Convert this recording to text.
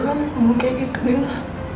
kayak gelap kamu kayak gitu nino